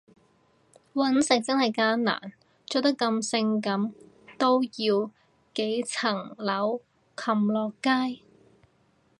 搵食真係艱難，着得咁性感都要幾層樓擒落街